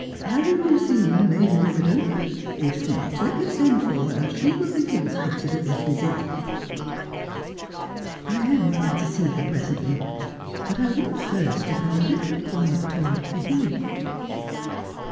Have you seen Lady Bitherdon 1 If not, let me send for her ; she will be delighted at this visit.' ' I am going to see her presently ; but I want first to have a little quiet talk with you.'